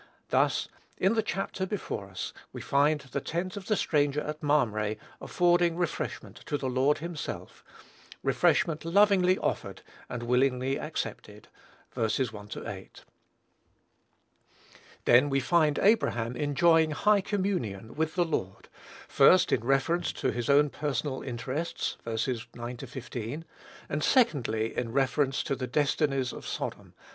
Thus, in the chapter before us, we find the tent of the stranger at Mamre affording refreshment to the Lord himself, refreshment lovingly offered and willingly accepted. (Ver. 1 8.) Then we find Abraham enjoying high communion with the Lord, first in reference to his own personal interests, (ver. 9 15,) and secondly in reference to the destinies of Sodom.